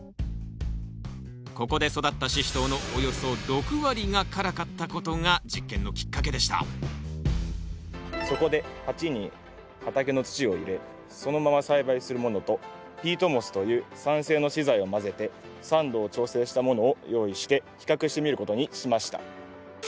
ここで育ったシシトウのおよそ６割が辛かったことが実験のきっかけでしたそこで鉢に畑の土を入れそのまま栽培するものとピートモスという酸性の資材を混ぜて酸度を調整したものを用意して比較してみることにしました。